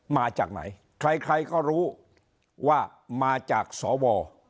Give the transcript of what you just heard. มาจากไหนใครใครก็รู้ว่ามาจากสว